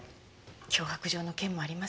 脅迫状の件もありますし。